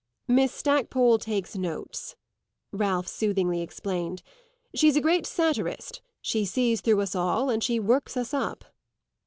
"Miss Stackpole takes notes," Ralph soothingly explained. "She's a great satirist; she sees through us all and she works us up."